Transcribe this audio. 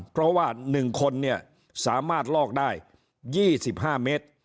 เพราะว่า๑คนสามารถลอกได้๒๕เมตร